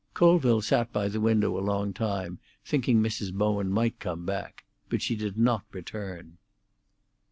Colville sat by the window a long time thinking Mrs. Bowen might come back; but she did not return.